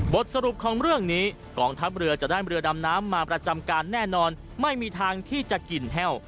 สรุปของเรื่องนี้กองทัพเรือจะได้เรือดำน้ำมาประจำการแน่นอนไม่มีทางที่จะกินแห้ว